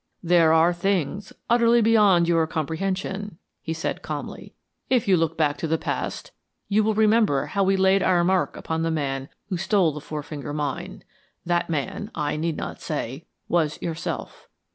"There are things utterly beyond your comprehension," he said, calmly. "If you look back to the past you will remember how we laid our mark upon the man who stole the Four Finger Mine. That man, I need not say, was yourself.